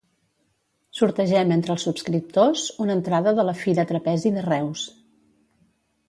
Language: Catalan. Sortegem entre els subscriptors una entrada de la Fira Trapezi de Reus.